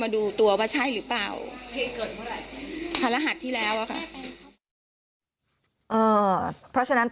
คุณผู้ชมฟังเสียงผู้หญิง๖ขวบโดนนะคะ